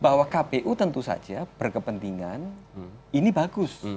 bahwa kpu tentu saja berkepentingan ini bagus